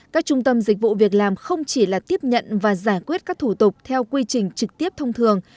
các trung tâm dịch vụ việc làm không chỉ là tiếp nhận và giải quyết các thủ tục theo quy trình trực tiếp thông thường